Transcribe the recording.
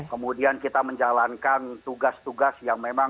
kemudian kita menjalankan tugas tugas yang memang